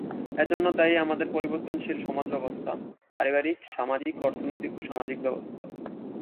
এজন্য দায়ী আমাদের পরিবর্তনশীল সমাজ ব্যবস্থা, পারিবারিক, সামাজিক, অর্থনৈতিক ও সামাজিক অবস্থা।